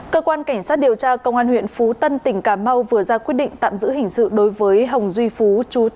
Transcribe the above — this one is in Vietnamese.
cơ quan cảnh sát điều tra công an huyện phú tân tỉnh cà mau vừa ra quyết định tạm giữ hình sự đối với hồng duy phú